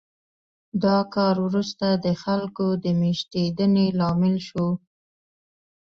دا کار وروسته د خلکو د مېشتېدنې لامل شو